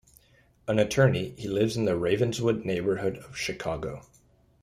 An attorney, he lives in the Ravenswood neighborhood of Chicago.